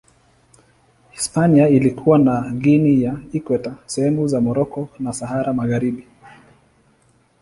Hispania ilikuwa na Guinea ya Ikweta, sehemu za Moroko na Sahara Magharibi.